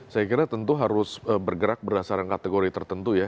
saya kira tentu harus bergerak berdasarkan kategori tertentu ya